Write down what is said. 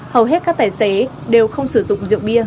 hầu hết các tài xế đều không sử dụng rượu bia